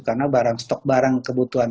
karena barang stok barang kebutuhan